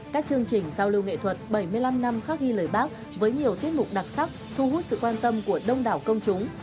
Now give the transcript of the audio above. các chương trình giao lưu nghệ thuật bảy mươi năm năm khắc ghi lời bác với nhiều tiết mục đặc sắc thu hút sự quan tâm của đông đảo công chúng